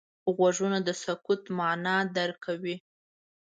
غوږونه د سکوت معنا درک کوي